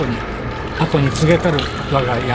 「吾子に告げたる我が病」。